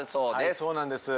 そうなんです